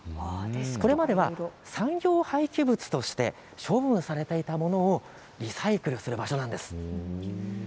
これまでは産業廃棄物として処分されていたものをリサイクルする場所なんです。